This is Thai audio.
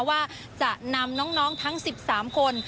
ว่าจะนำน้องทั้ง๑๓คน